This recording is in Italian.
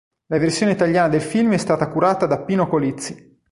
La versione italiana del film è stata curata da Pino Colizzi.